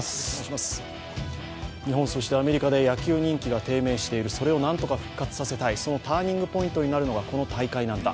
日本そしてアメリカで野球人気が低迷している、それを何とか復活させたい、そのターニングポイントになるのがこの大会なんだ。